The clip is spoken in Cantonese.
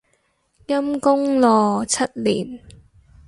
陰功咯，七年